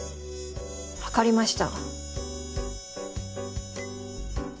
わかりました。